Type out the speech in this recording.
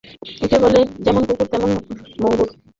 একেই বলে যেমন কুকুর তেমন মুগুর।